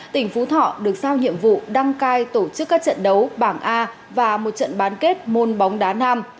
tỉnh phú thọ được sao nhiệm vụ đăng cai tổ chức các trận đấu bảng a và một trận bán kết môn bóng đá nam